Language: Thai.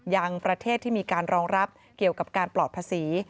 ยังประเทศที่มีการรองรับเกี่ยวกับการปลอดภาษี